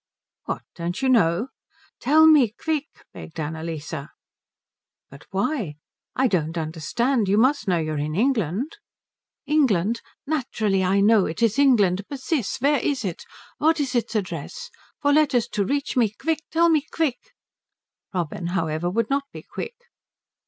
"What, don't you know?" "Tell me quick," begged Annalise. "But why I don't understand. You must know you are in England?" "England! Naturally I know it is England. But this where is it? What is its address? For letters to reach me? Quick tell me quick!" Robin, however, would not be quick.